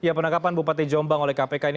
ya penangkapan bupati jombang oleh kpk ini